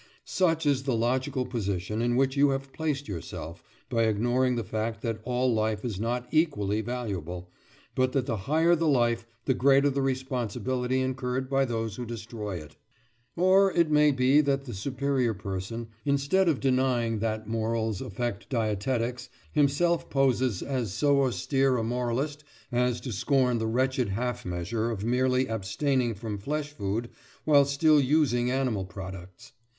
Such is the logical position in which you have placed yourself by ignoring the fact that all life is not equally valuable, but that the higher the life the greater the responsibility incurred by those who destroy it. Or it may be that the superior person, instead of denying that morals affect dietetics, himself poses as so austere a moralist as to scorn the wretched half measure of merely abstaining from flesh food while still using animal products.